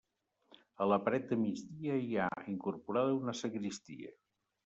A la paret de migdia hi ha incorporada una sagristia.